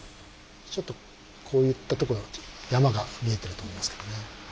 ちょっとこういったとこが山が見えてると思いますけどね。